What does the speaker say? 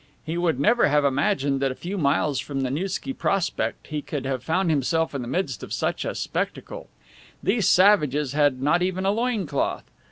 He would never have imagined that a few miles from the Nevsky Prospect he could have found himself in the midst of such a spectacle. These savages had not even a loin cloth.